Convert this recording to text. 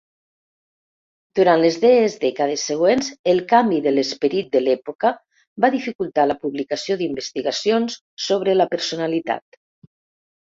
Durant les dees dècades següents, el canvi de l'esperit de l'època va dificultar la publicació d'investigacions sobre la personalitat.